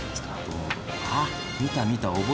あっ見た見た覚えてる。